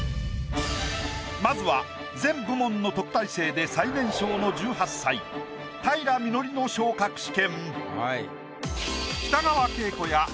まずは全部門の特待生で最年少の１８歳平美乃理の昇格試験。